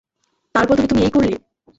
তার বদলে তুমি এই করলে?